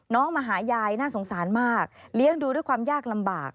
มาหายายน่าสงสารมากเลี้ยงดูด้วยความยากลำบาก